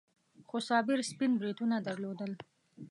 خو صابر سپين بریتونه درلودل.